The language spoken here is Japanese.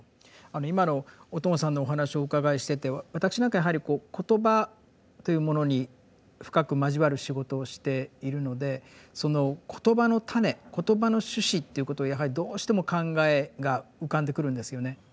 あの今の小友さんのお話をお伺いしてて私なんかはやはり言葉というものに深く交わる仕事をしているのでその「言葉の種」「言葉の種子」っていうことをやはりどうしても考えが浮かんでくるんですよね。